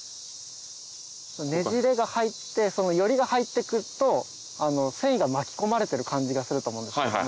ねじれが入って撚りが入ってくと繊維が巻き込まれてる感じがすると思うんですけども。